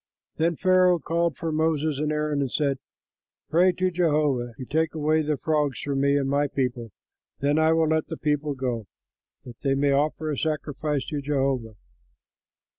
Then Pharaoh called for Moses and Aaron and said, "Pray to Jehovah to take away the frogs from me and my people; then I will let the people go, that they may offer a sacrifice to Jehovah."